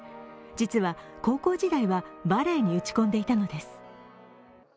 実は、高校時代はバレエに打ち込んでいたのです。